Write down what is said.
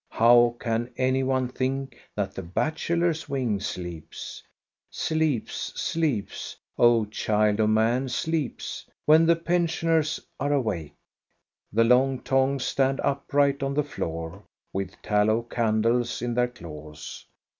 How can any one think that* the bachelors' wing sleeps.? Sleeps, sleeps (oh, child of man, sleeps!), when the pensioners are awake. The long tongs stand upright on the floor, with tallow candles in their claws.